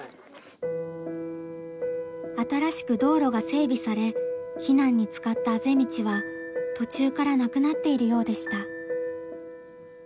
新しく道路が整備され避難に使ったあぜ道は途中からなくなっているようでした。